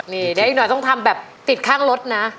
นี่เดี๋ยวอีกหน่อยต้องทำแบบติดข้างรถนะ